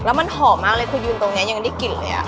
แล้วมันหอมมากเลยคุณยืนตรงนี้อย่างนี้กินเลยอ่ะ